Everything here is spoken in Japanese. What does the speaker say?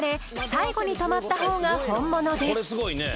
最後に止まった方が本物です